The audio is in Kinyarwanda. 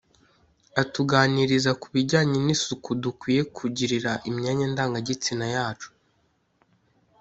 atuganiriza ku bijyanye n’isuku dukwiye kugirira imyanya ndangabitsina yacu